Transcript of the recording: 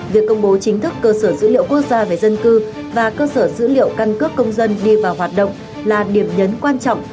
việc công bố chính thức cơ sở dữ liệu quốc gia về dân cư và cơ sở dữ liệu căn cước công dân đi vào hoạt động là điểm nhấn quan trọng